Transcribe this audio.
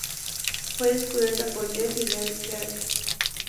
Fue descubierta por Jeff y Mary Clarke.